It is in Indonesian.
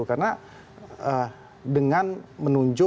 karena dengan menunggu